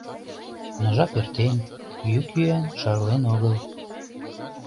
Но жап эртен, йӱк-йӱан шарлен огыл.